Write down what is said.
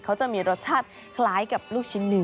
เขาจะมีรสชาติคล้ายกับลูกชิ้นเนื้อ